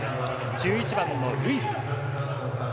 １１番のルイス。